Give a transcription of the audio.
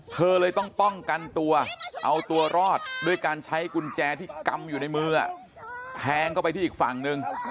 เธอเลยต้องป้องกันตัวเอาตัวรอดด้วยการใช้กุญแจที่กำอยู่ในมือแทงเข้าไปที่อีกฝั่งหนึ่ง